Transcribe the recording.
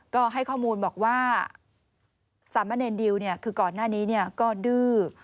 ก็ให้ข้อมูลบอกว่าสามะเนรดิวคือก่อนหน้านี้ก็ดื้อ